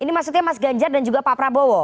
ini maksudnya mas ganjar dan juga pak prabowo